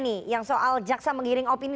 nih yang soal jaksa mengiring opini